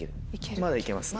まだ行けますね。